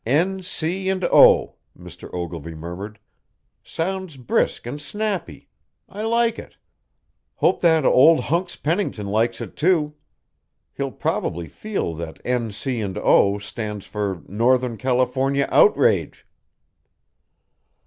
"N. C. & O.," Mr. Ogilvy murmured. "Sounds brisk and snappy. I like it. Hope that old hunks Pennington likes it, too. He'll probably feel that N. C. & O. stands for Northern California Outrage."